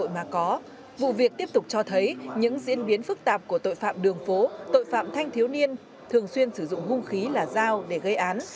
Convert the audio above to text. vụ việc tiếp tục cho thấy những diễn biến phức tạp của tội phạm đường phố tội phạm thanh thiếu niên thường xuyên sử dụng hung khí là dao để gây án